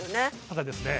ただですね